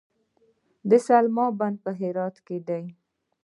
د سلما بند په هرات کې دی